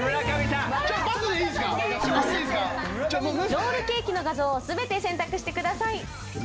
ロールケーキの画像を全て選択してください。